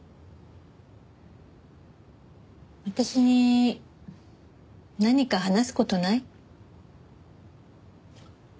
私に何か話す事ない？